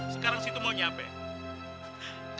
sekarang situ mau capek